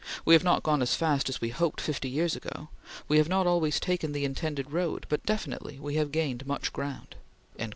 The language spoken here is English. We have not gone as fast as we hoped fifty years ago; we have not always taken the intended road; but definitely we have gained much ground."